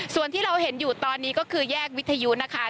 ส่วนที่เราเห็นอยู่ตอนนี้ก็คือแยกวิทยุนะคะ